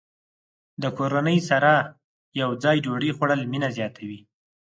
د کورنۍ سره یوځای ډوډۍ خوړل مینه زیاته وي.